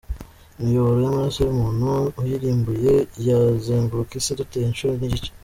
imiyoboro y’amaraso y’umuntu uyirambuye yazenguruka isi dutuye inshuro n’igice.